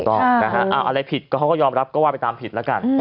ถูกต้องนะฮะอะไรผิดก็เขาก็ยอมรับก็ว่าไปตามผิดแล้วกัน